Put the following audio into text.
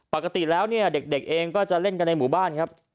ปกติแล้วเด็กเองก็จะเล่นกันในหมู่บ้าน